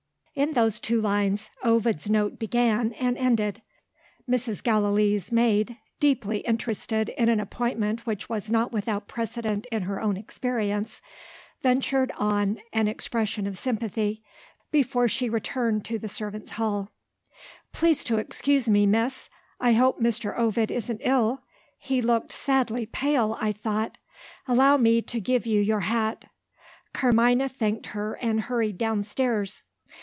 In those two lines, Ovid's note began and ended. Mrs. Gallilee's maid deeply interested in an appointment which was not without precedent in her own experience ventured on an expression of sympathy, before she returned to the servants' hall. "Please to excuse me, Miss; I hope Mr. Ovid isn't ill? He looked sadly pale, I thought. Allow me to give you your hat." Carmina thanked her, and hurried downstairs.